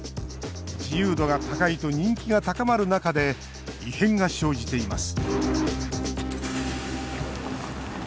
自由度が高いと人気が高まる中で異変が生じています